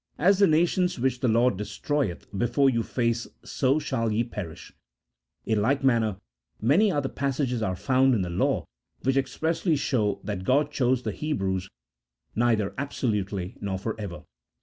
As the nations which the Lord de 6troyeth before your face, so shall ye perish." In like CHAP. III.] OP THE VOCATION OP THE HEBREWS. 55 manner many other passages are found in the law which expressly show that God chose the Hebrews neither abso lutely nor for ever.